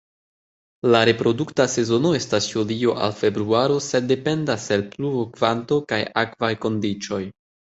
La reprodukta sezono estas julio al februaro sed dependas el pluvokvanto kaj akvaj kondiĉoj.